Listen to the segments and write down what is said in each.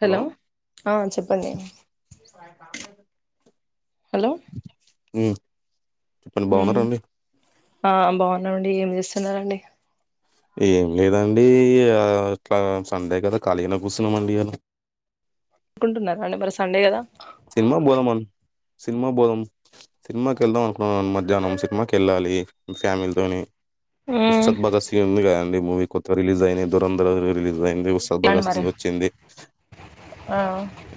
Hello ఆ చెప్పండి hello! మ్మ్, చెప్పండి. మ్మ్ బాగున్నారండి ఆ బాగున్నా అండి, ఏం చేస్తున్నారండి ఏం లేదండి, అట్లా సండే గదా, ఖాళీగానే కూర్చున్నాంమండి ఈయల. [inaudible] కుంటున్నారండి, మరి సండే గదా. సినీమా బోదం సినిమాకి వెళ్దాం అనుకున్నాను. మధ్యాహ్నం సినిమా కెళ్లాలి మా ఫ్యామిలీతోని. మ్మ్ ఉస్తాద్ భగత్ సింగ్ ఉంది కదండీ, మూవీ కొత్త రిలీజ్ అయినే ధురంధర్ రిలీజ్. ఎండి, ఉస్తాద్ అండి భగత్ మరి సింగ్ వచ్చింది? ఆ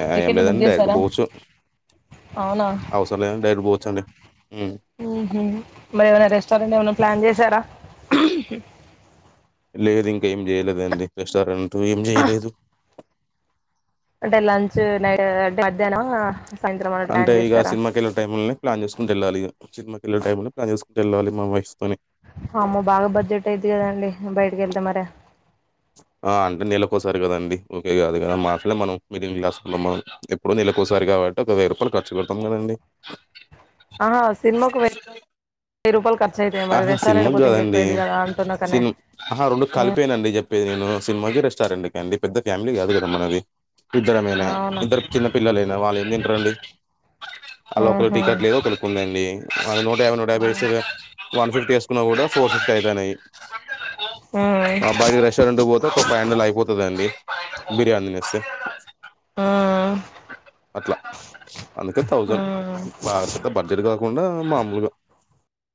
ఏహే టికెట్లు బుక్ ఏమీలేదండి, డైరెక్ట్ చేసారా బోచ్ అవసరం లేదండీ, డైరెక్ట్ పోవచ్చానండి. ఊం హ్మ్ మరేఏమన్నా? రెస్టారెంట్ ఏమన్నా ప్లాన్. పని చేసారా? హుమ్ మ్. లేదు, ఇంకేం జేయలేదండి. రెస్టారెంట్ ఏం జేయలేదు. అంటే లంచ్ నైట్ అంటే మధ్యాహ్నమా? అంటే ఇగా సినిమాకేళ్లే టైముల్నె. ప్లాన్ చేసుకుంట ఎళ్లాలి. సినిమా కెళ్ళే టైమ్ లో, ప్లాన్ చేసుకుంట ఎళ్లాలి మా వైఫ్ తోని అమ్మో, బాగా బడ్జెట్ అయ్యింది కదండీ. బయటకి వెళ్తే మరే [inaudible] ఆ అంటే నెల కోసారి కదండి. ఉకే కాదు గదా అసలే మనం మిడియం క్లాస్ మనం ఎప్పుడో నెలకోసారి ఇగా బట్టఒక వెయ్యి రూపాయలు ఖర్చు పెడతాం కదండీ. ఆహా, సినిమాకు వె ఆహా సినిమాకు కాదండి, అయిద్ది కదా అంటున్నా కనే సినమ్ ఆహా రెండు మ్మ్ కలిపేనండి చెప్పేది నేను. మ్ సినిమాకి, రెస్టారెంట్‌కి ఏమండీ, పెద్ద ఫ్యామిలీ కాదు గదా మనది. ఇద్దరమేనాయే. అవునా ఇద్దరు చిన్న పిల్లలయినా వాళ్లు ఏమి తింటారండి? ఆల్లా మ్మ్ ఒకలికి హ్మ్ టికెట్ లేదు, ఒకలకి ఉందండి. అది నూట యాభై నూట యాభై ఎసిరుగా వన్ ఫిఫ్టీ వేసుకున్నా గూడా ఫోర్ ఫిఫ్టీ అయితున్నాయి మ్మ్ ఆ బయటికి రెస్టారెంట్ పోతే ఒక ఫైవ్ హండ్రెడ్ లో అయిపోతుదండి. బిర్యానీ తినెస్తే మ్మ్ అట్లా అందుకే థౌజండ్ ఉమ్ బాగా పెద్ద బడ్జెట్ కాదు. ఉన్నామ్ మామూలుగా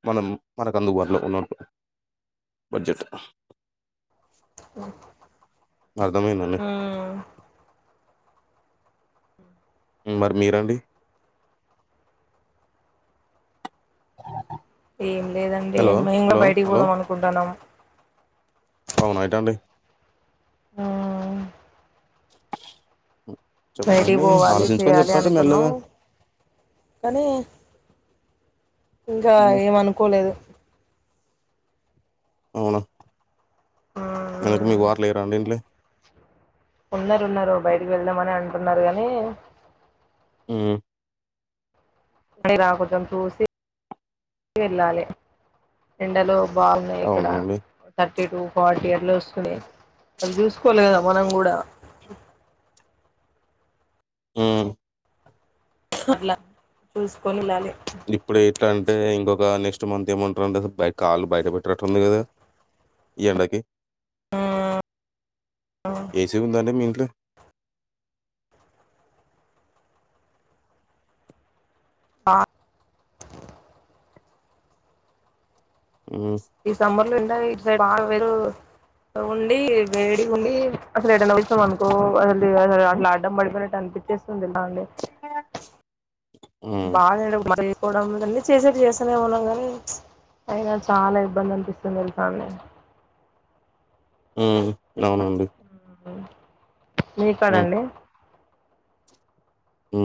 మనం మన కందుబాటలో ఉన్నప్పుడు బడ్జెట్ మ్ అర్థమైందండి ఉమ్మ్ మరి మీరండి ఏం లేదండి, హలో మేమ్ గూడ హలో బయటికి పోదాం అనుకుంటన్నాము. అవునా ఎటండి మ్ మ్ బయటికి చెప్పండి, పోవాలి ఆలోచించుకొని చేయాలి చెప్పండి అనుకున్నాం మెల్లగా ఇంగా హ్మ్. ఏమనుకోలేదు. అవునా మీకు మీ వారు లేరా అండి ఇంట్లో ఉన్నారు, ఉన్నారు. బయటికి వెళ్దామనే అంటున్నారు గానీ ఉమ్ మనీ రా, కొంచెం చూసి వెళ్లాలి ఎండల్లో బాగున్నాయి. ఇక్కడ అవునండి థర్టీ టూ, ఫార్టీ అట్లా వస్తున్నాయి. అది చూసుకోలేద మనం గూడా ఉమ్ అట్ల చూసుకొని వెళ్లాలి. ఇప్పుడు ఇట్లా అంటే, ఇంకొక నెక్స్ట్ మంత్ ఏమంటారంటే, అసలు బై కాళ్లు బయట బెట్టరాట్టుంది కదా. ఈ ఎండకి, ఏసీ ఉందా అండి మీ ఇంట్ల ఆ ఉమ్, ఈ సమ్బర్ లో ఉండది ఇటుసైడ్ [unintelligible] ఉండి వేడిగా ఉండి అసలు ఎటైనావిచమ్ అనుకో అసలు అస అట్లా ఆడ్డం పడిపోయినట్టు అన్ పిచ్చేస్తు ఉంది లా లే అ బాగానేడు చేయకోవడం ఇన్నీ చేసేట్ చేస్తానేమన్నాం కాగానీ అయినా చాలా ఇబ్బంది అనిపిస్తుంది తెలుసా నే ఉ అవునండి మ్ మీ ఉమ్, కాడండి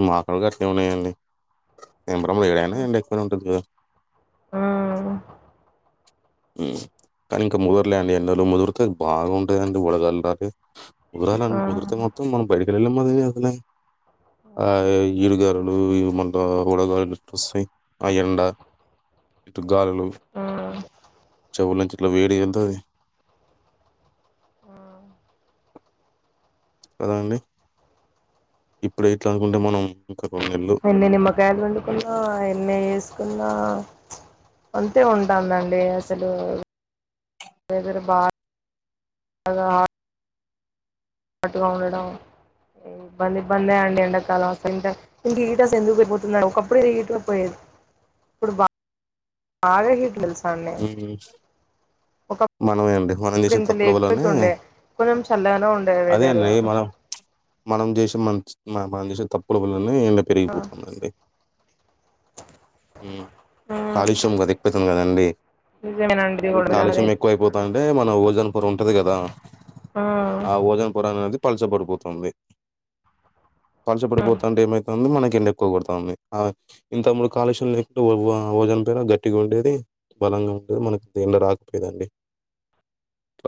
మా కూడా గాట్నే ఉన్నాయండి మీ బ్రమ ఏడైనా ఉమ్ అండి ఎక్కువ ఉంటుంది ఉమ్ మ్ కానీ ఇంకా ముదరలే అండి ఎన్నలు ముదురితే బాగా ఉంటదండి వడగలి లాగే ముదరాల ముదిరితే మొత్తం మనం బయటకి ఎల్లలేం అది గాకనే ఆ ఈడుగాలులు మంట ఉడగాలులు ఎకువొస్తాయి ఆ ఎండ గాలులు ఉమ్ చెవుల్నించి ఇట్ల వేడిగెల్తాయ్ కద అండి ఇప్పుడు ఇట్లా అనుకుంటే మనం ఇంకా నెలలు వంద నిమ్మకాయలు పిండుకున్న ఎన్ని చేస్ కున్నా అంతే ఉంటుందండి అసలు ఏదరు బా గా పట్టుగా ఉండడం ఇబ్బంది ఇబ్బంది అండి ఎండ కాలం అసుంటే ఇంత హీటర్స్ ఎందుకు పోతున్నాయి ఒకప్పుడు హీటర్ పోయేది ఇప్పుడు బా బాగా హీట్ తెలుసు మ్ ఒకప్పుడు మనమే అండి మనం చేసిన తప్పుల వలనే కొంచం చల్లన ఉండదే వేదరు మనం చేసే మంచ్ మనం చేసే తప్పుల వల్లనే ఇంకా పెరిగిపోతుందండి మ్ కాలుష్యం క ఎక్పోతుంది కదండి నిజమేనండి కాలుష్యం ఇది ఎక్కువైపోతా ఉంటే మనం ఓజన్ పొర ఉంటది కదా ఆ ఓజన్ పొర అనేది పలస పడిపోతుంది పలస పడిపోతంటే ఏమైతంది మనకి గిన్నే ఎక్కో కోడతాంది ఇంత మూడు కాలుష్యం లేకుండా ఓ అ ఓజన్ పేర గట్టిగా ఉండేది బలంగా ఉండేది మనకు దేంల రాకపోయదండి అట్ల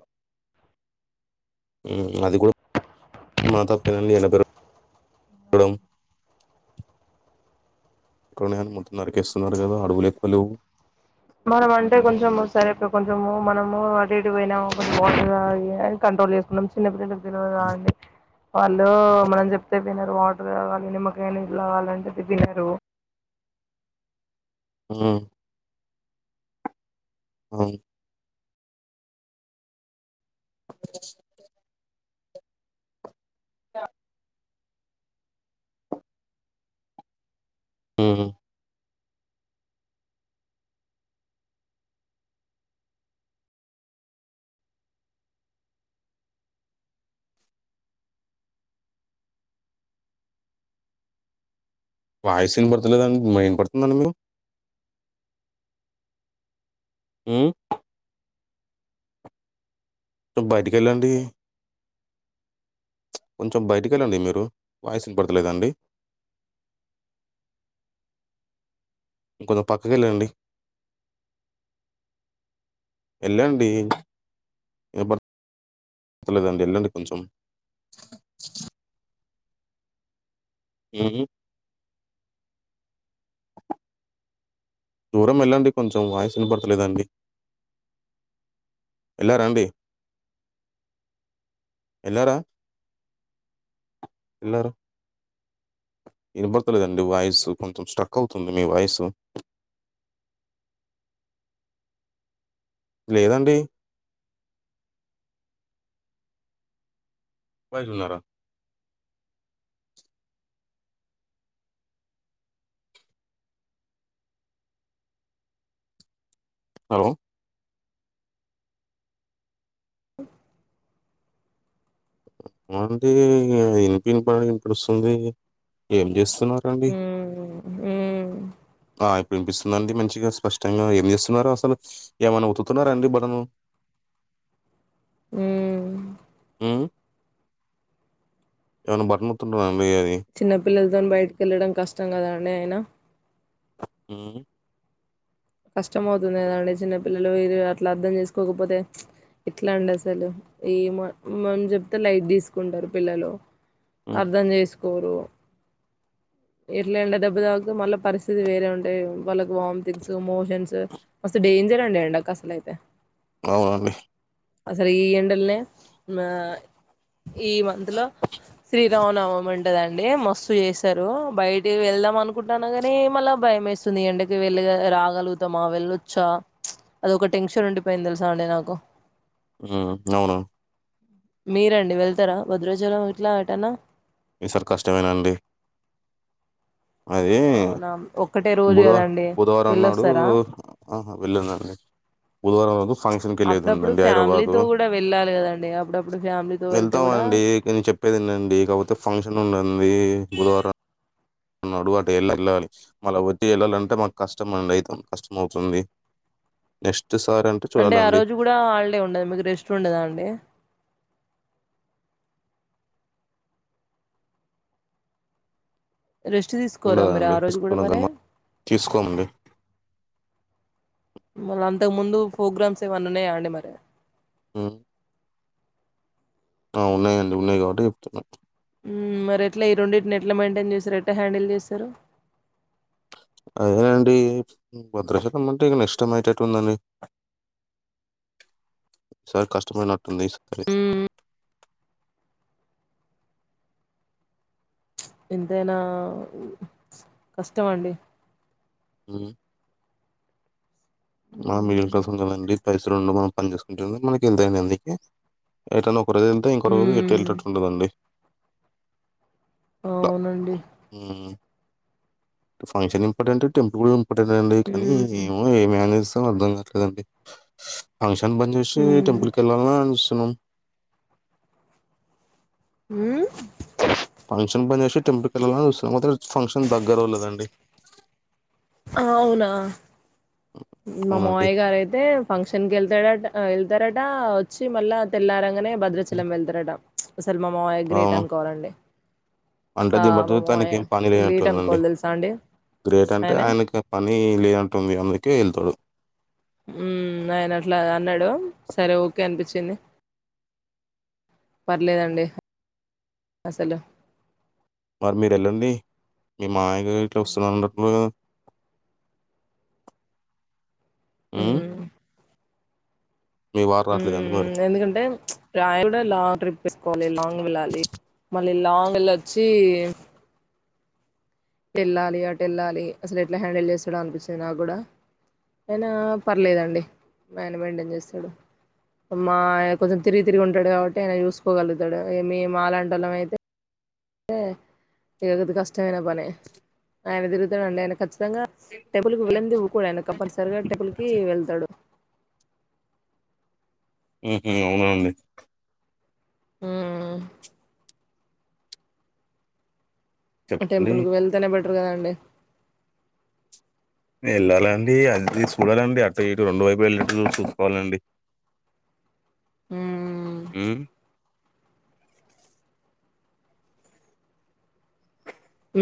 ఈ ఈ మధ్య కూ కుడం ఇక్కడ ఉన్నయన్ని మొత్తం నరికేస్తున్నారు కదా అడవులు ఎక్కువ లెవ్ మనం అంటే కొంచెం సరేప్పు కొంచెము మనము అడిడుపోయినాము కొంచెంట అని అ [unintelligible] చేసుకున్నాం చిన్న పిల్లలు తినరా అండీ వాళ్ళు మనం చెప్తే వినరు వాటర్ కావాలి నిమ్మకాయ నీళ్ళు కావాలంటే పెద్దినరు ఊ ఆవును యా ఊ వాయిసు ఇనబడతలేదండి నా ఇనపడుతుంద అండి మీరు ఊ బయటికి వెళ్ళండి కొంచెం బయటిక వెళ్ళండి మీరు వాయిస్ ఇనబడతలేదండి ఇంక కొంచం పక్కకెళ్ళండి ఎలండి ఇనబడ్ బడతాలేదండి వెళ్ళండి కొంచెం ఊ ఊ దూరం వెళ్ళండి కొంచెం వాయిస్ ఇనపడ్తలేదండి ఎల్లారా అండీ ఎల్లారా ఎల్లారు వినబడతలేదండి వాయిసు కొంచెం స్ట్రక్ అవుతుంది మీ వాయిసు లేదండి పైనున్నారా హలో ఉ అంటే ఇగ ఎందుకు ఇనపడి ఇనిపిస్తుంది ఏం చేస్తు తినిమాకు రండి ఉమ్ ఉమ్ ఆయ్ వినిపిస్తుందాండి మంచిగా స్పష్టంగా ఏం చేస్తున్నారు అసలు ఏమైనా ఉతుకుతున్నారా అండి బటను ఊ ఊ ఏమనా బట్టనుతుకుతున్నా అండీ అది తన్ బయటికి వెళ్ళడం కష్టం కదండి అయిన ఊ కష్టం అవుతుంది కదండి చిన్నపిల్లలు ఇది అట్లా అర్థం చేసుకోకపోతే ఎట్లా అండి అసలు ఈ మన మనం చెప్తే లైట్ తీసుకుంటారు పిల్లలు హ్మ్. అర్థం చేసుకోరు ఎట్ల ఎండ దెబ్బ తాకితే మళ్ళ పరిస్థితి వేరే ఉంటాయి వాళ్ళకి వామితింగ్స్ మోషన్స్ అసలు డేంజర్ అండి ఎండకు అసలు ఐతే అవునండి అసలు ఈ ఎండలనే, ఆ ఈ మంత్ లో శ్రీ శ్రీరామ నవమి ఉంటదండి మస్తు చేస్తారు బయటి వెళ్దాం అనుకుంటాన్నా కాని మళ్ళా భయమేస్తుంది ఎండకి వెళ్లి రాగలుగుతామా వెళ్ చ అది ఒక టెన్షన్ ఉండిపోయింది తెలుసా అండి నాకు ఉమ్ అవునవును మీరండి వెళ్తారా భద్రాచలం ఇట్లా ఎటన్నా ఈసారి కష్టమేనండి అవునా ఓ బుధవ బుధవారం నాడు ఆహా వెళ్ళినండి బుధవారం రోజు ఫంక్షన్ అప్పుడప్పుడు కెళ్ళేదుందండీ హైదరాబాదు ఫ్యామిలీతో కూడా వెళ్ళాలి కదండి అప్పుడప్పుడు ఫ్యామిలీతో వెళ్తే వెళ్తామ కూడా అండి కానీ చెప్పేదినండి కాకపోతే ఫంక్షన్ ఉందండీ బుధవారం నడువు అటు వెళ్ళి వెళ్ళాలి మళ్ళ వచ్చి వెళ్ళాలంటే మాకు కష్టం ఎండ కష్టం అవుతుంది నెక్స్ట్ సారి అంటే ఆ చూడాలండి రోజు కూడా హాలిడే ఉండదు మీకు రెస్ట్ ఉండదా అండి రెస్ట్ తీసుకోరా మీరు ఉండదాండి ఆ రోజు కూడా మరి [unintelligible] తీసుకోమండి మల్ల అంతకు ముందు ప్రోగ్రామ్స్ ఏవన్న ఉన్నాయా అండి మరి ఆ ఆ ఉన్నాయండి ఉన్నాయి కాబట్టి చెప్తున్న ఉమ్ మరి ఎట్లా ఈ రెండింటిని ఎట్లా మెయింటైన్ చేస్తారు ఎట్లా హ్యాండిల్ చేస్తారు అదేనండి భద్రాచలమంటే ఇక నెక్స్టైమ్ అయ్యేటట్టు ఉందండి ఈసారి కష్టమయినట్టుంది ఈ సారి ఎంతైనా కష్టం అండి ఉమ్ మా మిడిల్ క్లాస్ వున్నోళ్ళకి పైసలుండవు మనం పని చేసుకుంటే మనకి ఎంతైన ఎటైనా ఒక రోజు వెలితే ఇంకొ రోజు ఎటు ఉమ్ ఎళ్లేటట్టుండదండి అట్లా అవునండి ఉ ఫంక్షన్ ఇంపార్టెంట్ టెంపుల్ కూడా ఇంపార్టెంట్ అండి కానీ ఉమ్ ఏమో ఏం అర్ధం కావట్లేదండి ఫంక్షన్ బంద్ చేసి ఉమ్ టెంపుల్ కెళ్ళాల్నా సన్నా [unintelligible] హ ఫంక్షన్ బంద్ చేసి టెంపుల్ కెళ్ళాల్నా అని చూస్తున్నా అయితే మాత్రం ఫంక్షన్ దగ్గరోళ్లదండి అవునా మా అవునండి. మామయ గారయితే ఫంక్షన్కి వెళ్తాడట ఆ వెళ్తారట వచ్చి మళ్ళా తెల్లారంగానే భద్రాచలం వెళ్తారట అసలు మా మామయ్య గ్రేట్ అవును. అనుకోవాలండి అంటే ఆ [unintelligible] మా దింబడుతు మావయ్య ఏం పని గ్రేట్ లేనట్టుందండి అనుకోవాలి తెలుసా అండి గ్రేట్ అంటే అంటే ఆయన ఆయనకి పని లేనట్టుంది అందుకే వెళ్తాడు ఉ ఆయన అట్లా అన్నాడు సరే ఓకే అనిపించింది పర్లేదండి అసలు మరి మీరు ఎల్లండి మీ మామయ్య గారు ఇట్లా వస్తున్నారన్నపుడు ఉమ్ మ్మ్ [unintelligible] మరి? ఉమ్ ఎందుకంటే ఆయన కూడా లాంగ్ ట్రిప్ పెట్టుకోవాలి లాంగ్ వెళ్ళాలి మళ్ళీ లాంగ్ వెళ్లి వచ్చి వెళ్ళాలి అటు వెళ్ళాలి అసలు ఎట్లా హ్యాండిల్ చేస్తాడో అనిపిచ్చింది నాకు కూడా అయినా పర్లేదండి బాగనే మెయింటైన్ చేస్తాడు మా కొంచెం తిరిగి తిరిగి ఉంటాడు కాబట్టి ఆయన చూసుకోగలుతాడు ఏ మే మాలాంటోల్లం అయితే ఇకది కష్టమైన పని ఆయన తిరుగుతాడు ఆయన ఖచ్చితంగా అంగ టెంపుల్ కి వెళ్ళంది ఊరుకోడు ఆయన కంపల్సరిగా టెంపుల్ కి వెళ్తాడు ఉహ అవునా అండి అ చెప్పండి. టెంపుల్ కు వెళ్తేనే బెటర్ కదాండి. వెళ్ళాలండి, అదిది సూడాలండి అటు ఇటు రెండు వైపు వెళ్ళినట్ సుసుకోవాలండి. ఉమ్ ఉ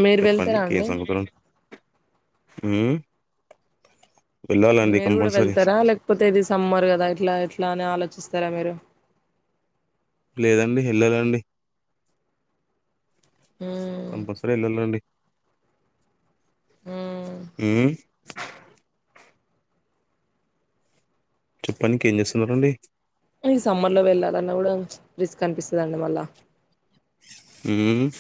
మీరు చెప్పండి వెళ్తారా కే అండి సంగతులు ఉ మీరు కూడా వెళ్తరా, లేకపోతే ఇది సమ్మరు కదా ఇట్లా ఎట్లా అని ఆలోచిస్ సర మీరు లేదండి ఎళ్ళాలండి. ఉమ్ కంపల్సరీ వెళ్ళాలండి. ఉమ్ ఉమ్ చెప్పనికి ఏం చేస్తునారండి ఈ సమ్మర్ లో వెళ్ళాలన్న కూడా, రిస్క్ అనిపిసదండి మళ్ళా. ఉమ్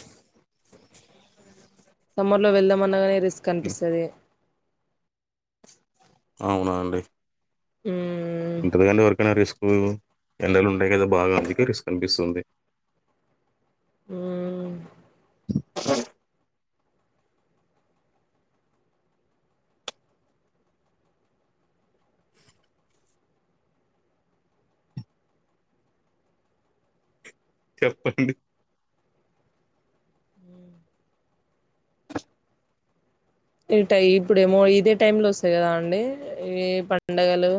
సమ్మర్ లో వెళ్దామన్నగాని రిస్క్ హ్మ్. అనిపిస్తది. అవునా అండి ఉమ్ ఇంక వేడంటే ఎవరికైనా రిస్క్ ఉ ఎండలు ఉంటయి కదా బాగా అందుకే రిస్క్ అనిపిస్తుంది. ఉమ్ [inaudible] చెప్పండి ఇట ఇప్పుడేమో ఇదే టైమ్ లో వస్తాయి కదా అండి ఈ పండగలు.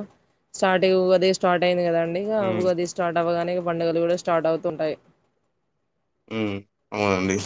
స్టార్ట్ ఉ అదే స్టార్ట్ అయ్యింది కదా అండి ఇగ హ్మ్ ఉగాది స్టార్ట్ అవ్వగానే, ఇగ పండుగలు కూడా స్టార్ట్ అవుతుంటాయి. ఉ అవునండి